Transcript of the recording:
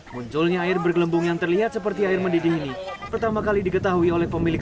munculnya air bergelembung yang terlihat seperti air mendidih ini pertama kali diketahui oleh pemilik